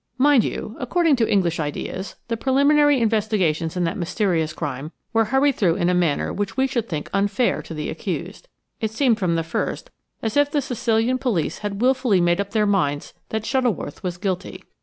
Mind you–according to English ideas–the preliminary investigations in that mysterious crime were hurried through in a manner which we should think unfair to the accused. It seemed from the first as if the Sicilian police had wilfully made up their minds that Shuttleworth was guilty.